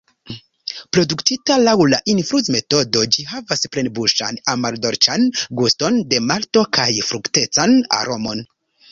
Produktita laŭ la infuzmetodo, ĝi havas plenbuŝan, amardolĉan guston de malto kaj fruktecan aromon.